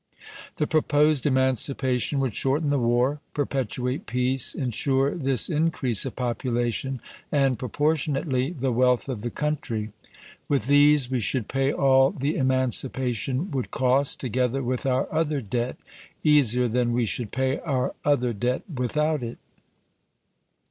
The pro posed emancipation would shorten the war, per petuate peace, insure this increase of population and, proportionately, the wealth of the country. With these we should pay all the emancipation would cost, together with our other debt, easier than we should pay our other debt without it."